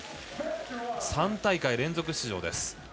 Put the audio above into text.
３大会連続出場です。